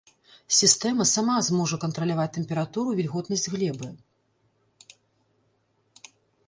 Сістэма сама зможа кантраляваць тэмпературу і вільготнасць глебы.